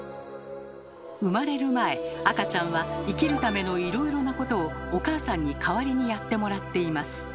生まれる前赤ちゃんは生きるためのいろいろなことをお母さんに代わりにやってもらっています。